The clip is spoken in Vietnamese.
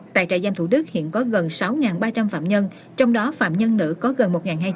tại trại giam thủ đức hiện có gần sáu ba trăm linh phạm nhân trong đó phạm nhân nữ có gần một hai trăm